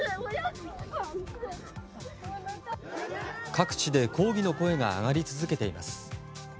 各地で抗議の声が上がり続けています。